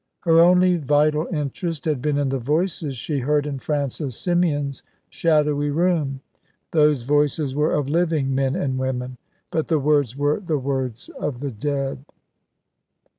Her only vital interest had been in the voices she heard in Francis Symeon's shadowy room. Those voices were of living men and women; but the words were the words of the dead.